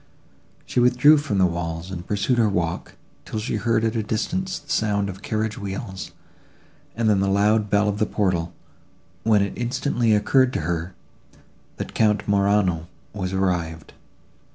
She withdrew from the walls, and pursued her walk, till she heard at a distance the sound of carriage wheels, and then the loud bell of the portal, when it instantly occurred to her, that Count Morano was arrived.